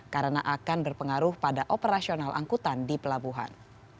karena akan berpengaruh pada operasional angkutan di pelabuhan